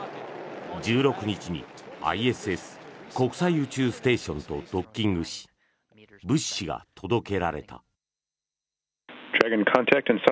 １６日にＩＳＳ・国際宇宙ステーションとドッキングし物資が届けられた。